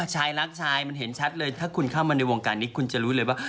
ชายรักชายมันเห็นชัดเลยถ้าคุณเข้ามาในวงการนี้คุณจะรู้เลยว่า